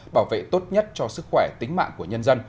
bảo vệ tốt nhất cho sức khỏe tính mạng của nhân dân